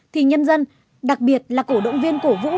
thì nhân dân đặc biệt là cổ động viên cổ vũ